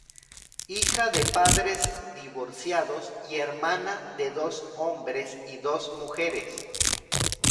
Hija de padres divorciados y hermana de dos hombres y dos mujeres.